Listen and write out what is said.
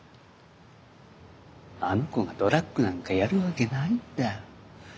あの子がドラッグなんかやるわけないんだ。